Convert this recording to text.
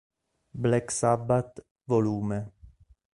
Black Sabbath, Vol.